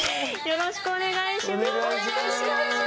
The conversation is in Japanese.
よろしくお願いします。